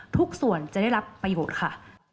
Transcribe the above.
ทุกส่วนจะได้รับประโยชน์ค่ะ